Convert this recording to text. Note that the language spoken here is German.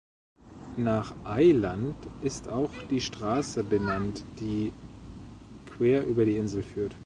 Nach Eiland ist auch die Straße benannt, die quer über die Insel führt.